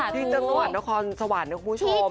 ที่จังหวัดนครสวรรค์นะคุณผู้ชม